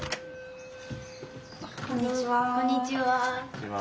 こんにちは。